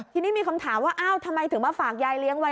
ทีนี้มีคำถามว่าอ้าวทำไมถึงมาฝากยายเลี้ยงไว้